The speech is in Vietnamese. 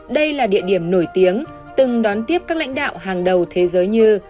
đây là địa điểm nổi tiếng từng đón tiếp các lãnh đạo hàng đầu thế giới như